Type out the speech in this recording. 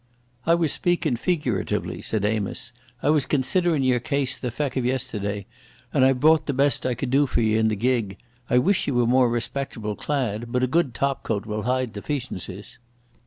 "I was speakin' feeguratively," said Amos. "I was considerin' your case the feck of yesterday, and I've brought the best I could do for ye in the gig. I wish ye were more respectable clad, but a good topcoat will hide defeecencies."